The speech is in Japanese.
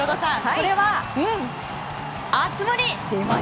これは、熱盛！